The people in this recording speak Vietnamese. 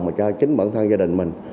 và cho chính bản thân gia đình mình